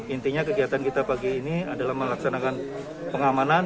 intinya kegiatan kita pagi ini adalah melaksanakan pengamanan